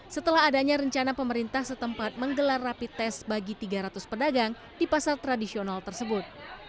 setelah adanya rencana pemerintah setempat menggelar rapi tes bagi tiga ratus pedagang di pasar tradisional tersebut